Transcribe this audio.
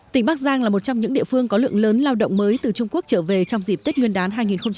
tỉnh bắc giang là một trong những địa phương có lượng lớn lao động mới từ trung quốc trở về trong dịp tết nguyên đán hai nghìn hai mươi